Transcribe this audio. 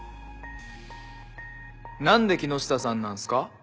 何で木下さんなんすか？